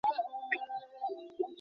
তিনি দিল্লি চলে যান।